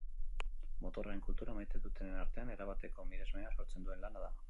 Motorraren kultura maite dutenen artean erabateko miresmena sortzen duen lana da.